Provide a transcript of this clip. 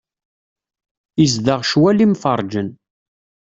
Izdeɣ ccwal imferrǧen.